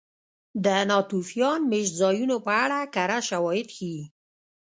د ناتوفیان مېشتځایونو په اړه کره شواهد ښيي